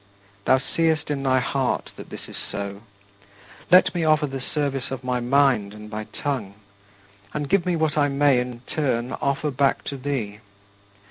Thou seest in my heart that this is so. Let me offer the service of my mind and my tongue and give me what I may in turn offer back to thee.